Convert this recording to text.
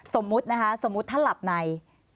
สมมุตินะคะสมมุติถ้าหลับใน